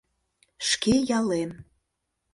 — Шке ялем.